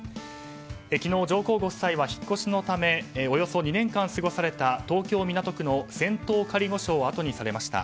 昨日上皇ご夫妻は引っ越しのためおよそ２年間過ごされた東京・港区の仙洞仮御所をあとにされました。